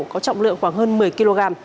có trọng lượng khoảng hơn một mươi kg